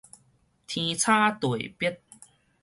天差地別